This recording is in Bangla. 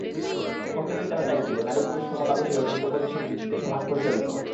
স্পষ্টতই তারা চাইছে যে, নারী-পুরুষ সমতাবিষয়ক হিতোপদেশের ভিত্তিতে সমাজ পরিচালিত হোক।